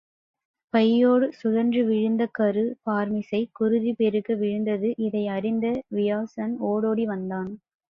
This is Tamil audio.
பையோடு கழன்று விழுந்த கரு பார்மிசை குருதி பெருக விழுந்தது இதை அறிந்த வியாசன் ஓடோடி வந்தான்.